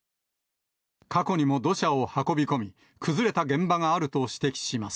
過去にも土砂を運び込み、崩れた現場があると指摘します。